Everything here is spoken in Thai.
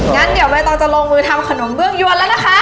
งั้นเดี๋ยวใบตองจะลงมือทำขนมเบื้องยวนแล้วนะคะ